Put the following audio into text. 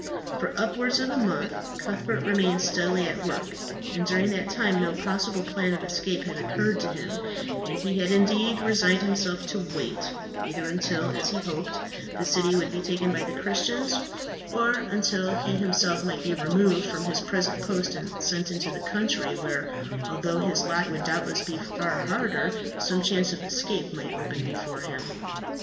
For upwards of a month Cuthbert remained steadily at work, and during that time no possible plan of escape had occurred to him, and he had indeed resigned himself to wait, either until, as he hoped, the city would be taken by the Christians, or until he himself might be removed from his present post and sent into the country, where, although his lot would doubtless be far harder, some chance of escape might open before him.